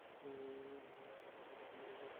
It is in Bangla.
আমাদের রক্ষাকর্তা দীর্ঘজীবী হোক।